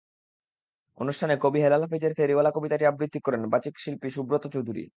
অনুষ্ঠানে কবি হেলাল হাফিজের ফেরিওয়ালা কবিতাটি আবৃত্তি করেন বাচিক শিল্পী সুব্রত চৌধুরি।